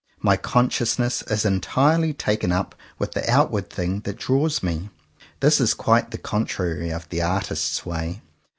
My consciousness is entirely taken up with the outward thing that draws me. This is quite the contrary of the artist's way.